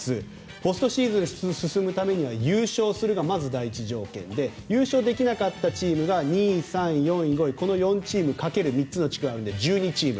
ポストシーズンに進むためには優勝するがまず第一条件で優勝できなかったチームが２位、３位、４位、５位この４チーム掛ける３つの地区あるので１２チーム。